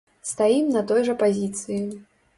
Стаім на той жа пазіцыі.